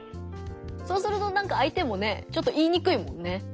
そうするとなんか相手もねちょっと言いにくいもんね。